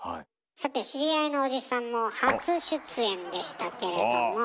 さて知り合いのおじさんも初出演でしたけれども。